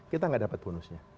kita enggak dapat bonusnya